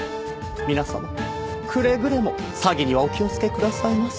皆様くれぐれも詐欺にはお気をつけくださいませ。